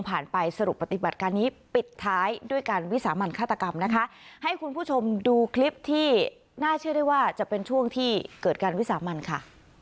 ไปสรุปปฏิบัติการนี้ปิดท้ายด้วยการวิสามันฆาตกรรมนะคะให้คุณผู้ชมดูคลิปที่น่าเชื่อได้ว่าจะเป็นช่วงที่เกิดการวิสามันค่ะ